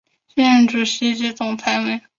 现任主席及总裁为。